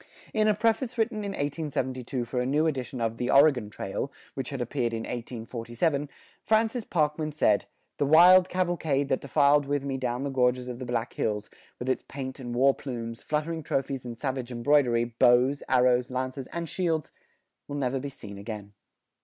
In a preface written in 1872 for a new edition of "The Oregon Trail," which had appeared in 1847, Francis Parkman said, "The wild cavalcade that defiled with me down the gorges of the Black Hills, with its paint and war plumes, fluttering trophies and savage embroidery, bows, arrows, lances, and shields, will never be seen again."